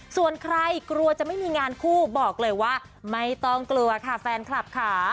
ส่วนใครกลัวจะไม่มีงานคู่บอกเลยว่าไม่ต้องกลัวค่ะแฟนคลับค่ะ